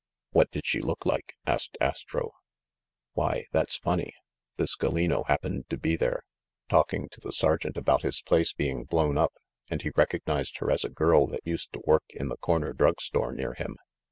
"What did she look like?" asked Astro. "Why, that's funny. This Gallino happened to be there, talking to the sergeant about his place bein* blown up, and he recognized her as a girl that used to work in the corner drug store near him.